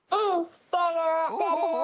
してる。